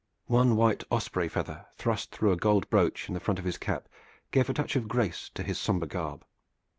One white osprey feather thrust through a gold brooch in the front of his cap gave a touch of grace to his somber garb.